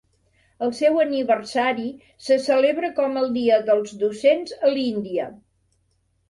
El seu aniversari se celebra com el Dia dels docents a l'Índia.